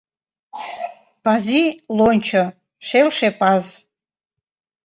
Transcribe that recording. Пази — лончо, шелше; паз.